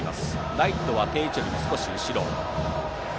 ライトは定位置より少し後ろ。